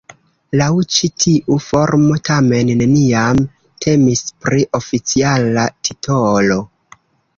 Laŭ ĉi tiu formo tamen neniam temis pri oficiala titolo.